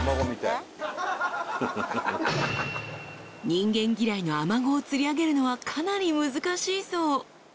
［人間嫌いのあまごを釣り上げるのはかなり難しいそう］